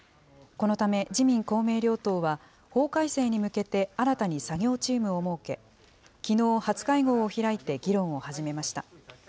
このため、自民・公明両党は、法改正に向けて新たに作業チームを設け、きのう初会合を開いて議論を始めました。